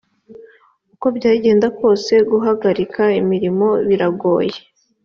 uko byagenda kose guhagarika imirimo biragoye